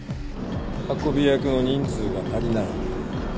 運び役の人数が足りない。